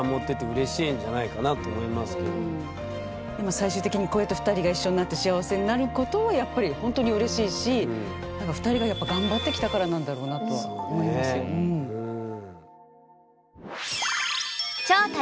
最終的にこうやって２人が一緒になって幸せになることはやっぱりほんとにうれしいしなんか２人がやっぱ頑張ってきたからなんだろうなとは思いますようん。